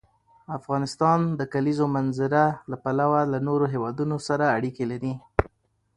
افغانستان د د کلیزو منظره له پلوه له نورو هېوادونو سره اړیکې لري.